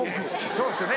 そうですよね